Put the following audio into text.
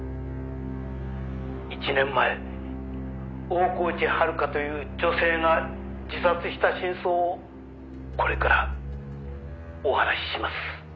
「１年前大河内遥という女性が自殺した真相をこれからお話しします」